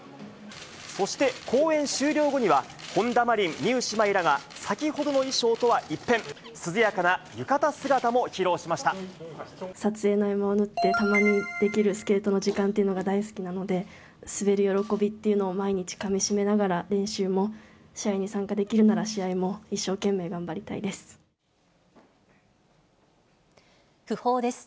そして公演終了後には、本田真凜・望結姉妹らが、先ほどの衣装とは一変、涼やかな浴衣姿撮影の合間を縫って、たまにできるスケートの時間というのが大好きなので、滑る喜びっていうのを毎日かみしめながら、練習も試合に参加できるなら試合も一生懸命頑張りたいです。